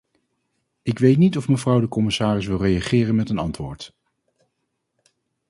Ik weet niet of mevrouw de commissaris wil reageren met een antwoord.